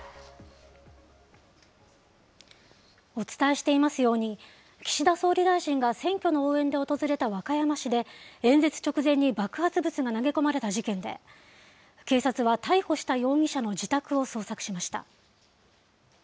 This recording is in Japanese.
お伝えしていますように、岸田総理大臣が選挙の応援で訪れた和歌山市で、演説直前に爆発物が投げ込まれた事件で、警察は逮捕した容疑者の自宅を捜索しました。